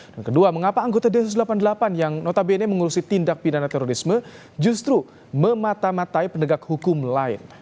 dan kedua mengapa anggota d satu ratus delapan puluh delapan yang notabene mengurusi tindak pidana terorisme justru memata matai pendegak hukum lain